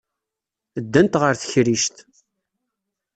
Ddant ɣer tekrict.